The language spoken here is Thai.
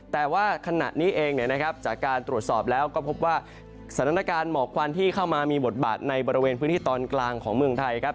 แต่ว่าขณะนี้เองเนี่ยนะครับจากการตรวจสอบแล้วก็พบว่าสถานการณ์หมอกควันที่เข้ามามีบทบาทในบริเวณพื้นที่ตอนกลางของเมืองไทยครับ